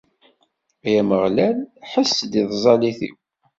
Ay Ameɣlal, ḥess-d i tẓallit-iw!